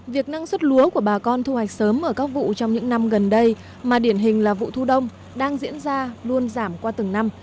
việc năng suất lúa của bà con thu hoạch sớm ở các vụ trong những năm gần đây mà điển hình là vụ thu đông đang diễn ra luôn giảm qua từng năm